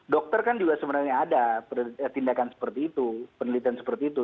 dokter kan juga sebenarnya ada tindakan seperti itu penelitian seperti itu